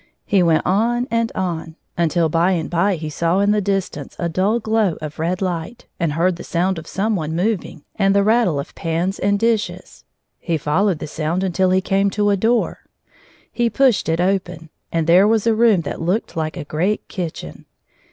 He went on and on, until by and by he saw in the distance a dull glow of red light, and heard the sound of some one moving and the rattle of pans and dishes. He followed the sound until he came to a door. He pushed it open, and there was a room that looked like a great kitchen.